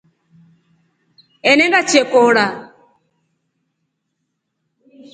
Enende chekora.